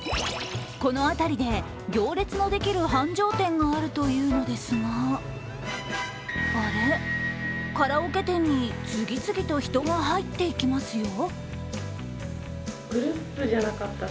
この辺りで行列のできる繁盛店があるというのですがあれ、カラオケ店に次々と人が入っていきますよ。